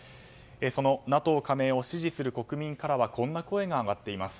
そのＮＡＴＯ加盟を支持する国民からはこんな声が上がっています。